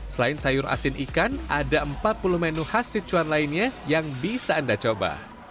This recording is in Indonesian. selain sayur asin ikan ada empat puluh menu khas sichuan lainnya yang bisa anda coba